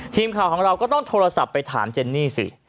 ทีมข่าวของเราก็ต้องโทรศัพท์ไปถามเจนนี่สิ